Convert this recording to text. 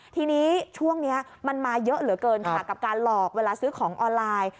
ทีนี้ช่วงนี้มันมาเยอะเหลือเกินค่ะกับการหลอกเวลาซื้อของออนไลน์